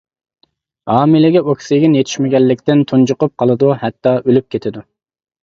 ھامىلىگە ئوكسىگېن يېتىشمىگەنلىكتىن تۇنجۇقۇپ قالىدۇ، ھەتتا ئۆلۈپ كېتىدۇ.